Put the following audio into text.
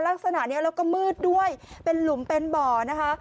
ลักษณะนี้แล้วก็มืดด้วยเป็นหลุมเป็นบ่อนะคะ